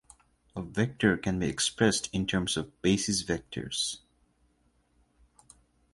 A vector can be expressed in terms of basis vectors.